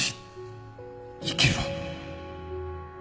生きろ